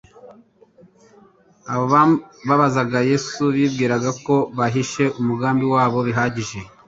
Abo babazaga Yesu bibwiraga ko bahishe umugambi wabo bihagije;